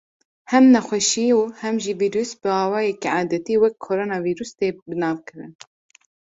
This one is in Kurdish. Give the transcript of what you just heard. Hem nexweşî û hem jî vîrus bi awayekî edetî wek “koronavîrus” tê binavkirin.